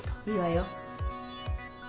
いいわよ。